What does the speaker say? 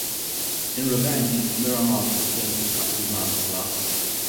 In revenge, Mirror Master turns the Tattooed Man to glass.